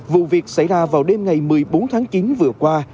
vụ việc xảy ra vào đêm ngày một mươi bốn tháng chín vừa qua